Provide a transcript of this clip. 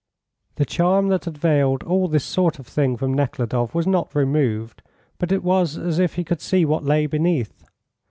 The charm that had veiled all this sort of thing from Nekhludoff was not removed, but it was as if he could see what lay beneath.